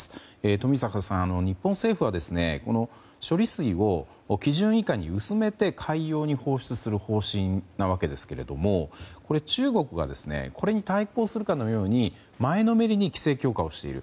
冨坂さん日本政府は処理水を基準以下に薄めて海洋に放出する方針なわけですけど中国はこれに対抗するかのように前のめりに規制強化をしている。